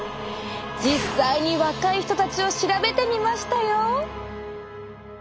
実際に若い人たちを調べてみましたよ。